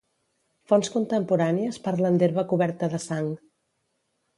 Fonts contemporànies parlen d'herba coberta de sang.